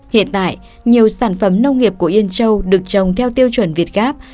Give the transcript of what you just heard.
hiện tại nhiều sản phẩm nông nghiệp của yên châu được trồng theo tiêu chuẩn việt gáp